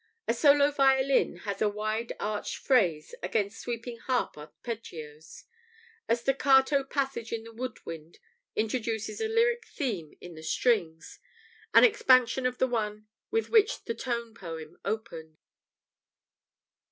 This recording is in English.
[A solo violin has a wide arched phrase against sweeping harp arpeggios; a staccato passage in the wood wind introduces a lyric theme in the strings an expansion of the one with which the tone poem opened.